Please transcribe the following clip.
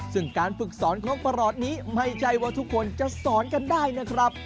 ซึ่งการฝึกสอนของประหลอดนี้ไม่ใช่ว่าทุกคนจะสอนกันได้นะครับ